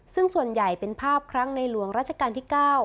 ซึ่งส่วนใหญ่เป็นภาพครั้งในหลวงราชการที่๙